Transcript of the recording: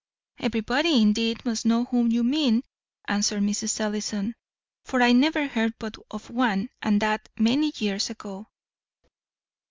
"Everybody, indeed, must know whom you mean," answered Mrs. Ellison; "for I never heard but of one, and that many years ago."